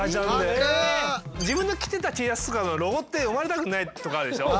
自分で着てたＴシャツとかのロゴって読まれたくないとこあるでしょ。